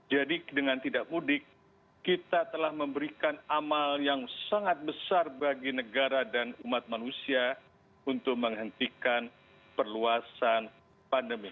jadi dengan tidak mudik kita telah memberikan amal yang sangat besar bagi negara dan umat manusia untuk menghentikan perluasan pandemi